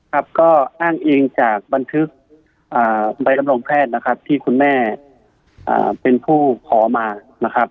ครับก็อ้างอิงจากบันทึกใบรับรองแพทย์นะครับที่คุณแม่เป็นผู้ขอมานะครับ